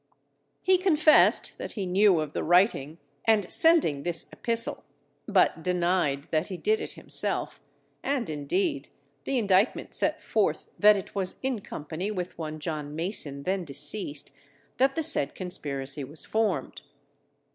He confessed that he knew of the writing and sending this epistle, but denied that he did it himself, and indeed the indictment set forth that it was in company with one John Mason, then deceased, that the said conspiracy was formed.